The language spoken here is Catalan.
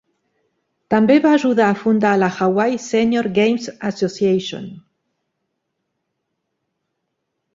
També va ajudar a fundar la Hawaii Senior Games Association.